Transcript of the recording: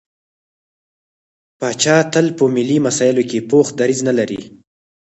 پاچا تل په ملي مسايلو کې پوخ دريځ نه لري.